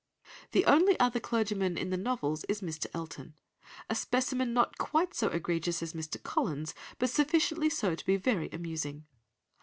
The only other clergyman in the novels is Mr. Elton, a specimen not quite so egregious as Mr. Collins, but sufficiently so to be very amusing.